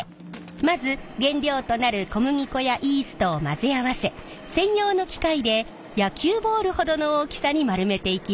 まず原料となる小麦粉やイーストを混ぜ合わせ専用の機械で野球ボールほどの大きさに丸めていきます。